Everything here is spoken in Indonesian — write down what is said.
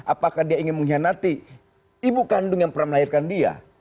apakah dia ingin mengkhianati ibu kandung yang pernah melahirkan dia